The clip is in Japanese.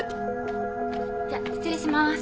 じゃあ失礼します。